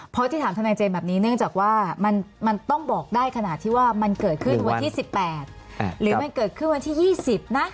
เพราะที่ถามทนายเจมส์แบบนี้เนื่องจากว่ามันต้องบอกได้ขนาดที่ว่ามันเกิดขึ้นวันที่๑๘หรือมันเกิดขึ้นวันที่๒๐นะ